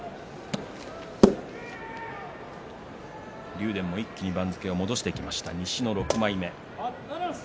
竜電も一気に番付を戻してきました、西の６枚目。